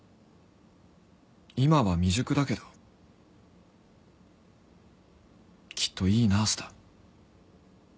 今は未熟だけどきっといいナースだ。